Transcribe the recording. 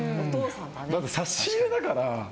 だって差し入れだから。